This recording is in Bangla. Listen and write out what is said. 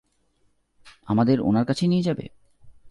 আমাদের ওনার কাছে নিয়ে যাবে?